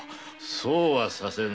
そうはさせぬ。